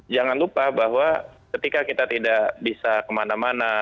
jangan lupa bahwa ketika kita tidak bisa kemana mana